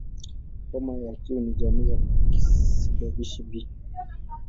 Homa ya Q ni jamii ya kisababishi "B".